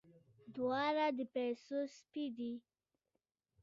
دواړه د پيسو سپي دي.